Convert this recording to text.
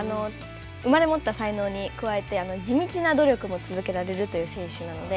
生まれ持った才能に加えて地道な努力も続けられるという選手なので。